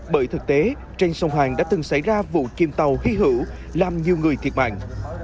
bởi thực tế trên sông hoàng đã từng xảy ra vụ chìm tàu hy hữu làm nhiều người thiệt mạng